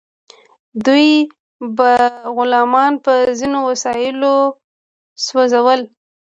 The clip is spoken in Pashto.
دوی به غلامان په ځینو وسایلو سوځول.